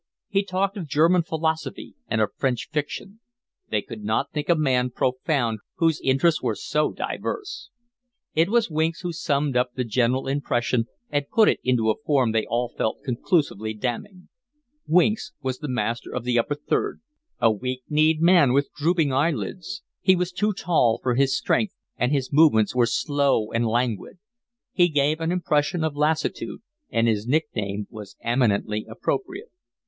He talked of German philosophy and of French fiction. They could not think a man profound whose interests were so diverse. It was Winks who summed up the general impression and put it into a form they all felt conclusively damning. Winks was the master of the upper third, a weak kneed man with drooping eye lids, He was too tall for his strength, and his movements were slow and languid. He gave an impression of lassitude, and his nickname was eminently appropriate.